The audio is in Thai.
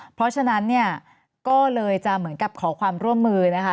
เพราะฉะนั้นเนี่ยก็เลยจะเหมือนกับขอความร่วมมือนะคะ